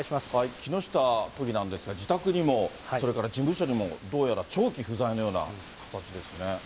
木下都議なんですが、自宅にも、それから事務所にもどうやら長期不在のような形ですね。